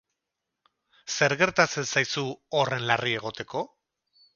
Zer gertatzen zaizu, horren larri egoteko?